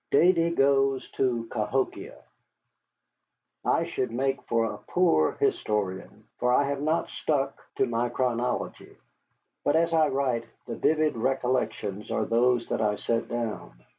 DAVY GOES TO CAHOKIA I should make but a poor historian, for I have not stuck to my chronology. But as I write, the vivid recollections are those that I set down.